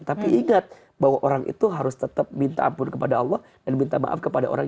tapi ingat bahwa orang itu harus tetap minta ampun kepada allah dan minta maaf kepada orang